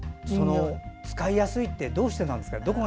使いやすいってどうしてですか？